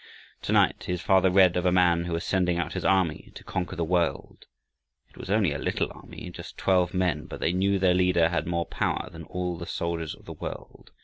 Tonight his father read of a Man who was sending out his army to conquer the world. It was only a little army, just twelve men, but they knew their Leader had more power than all the soldiers of the world.